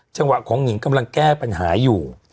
จังหวะของหนิงกำลังแก้ปัญหาอยู่